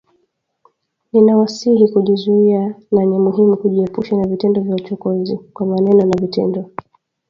Ninawasihi kujizuia na ni muhimu kujiepusha na vitendo vya uchokozi, kwa maneno na vitendo